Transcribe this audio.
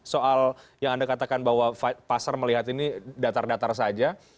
soal yang anda katakan bahwa pasar melihat ini datar datar saja